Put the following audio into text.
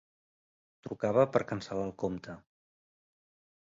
Trucava per cancel·lar el compte.